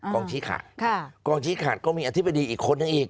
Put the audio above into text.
ชี้ขาดกองชี้ขาดก็มีอธิบดีอีกคนนึงอีก